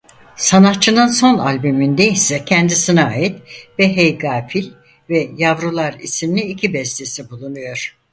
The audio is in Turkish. Sanatçının son albümünde ise kendisine ait "Be Hey Gafil" ve "Yavrular" isimli iki bestesi bulunuyor.